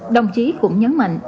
đồng chí cũng nhấn mạnh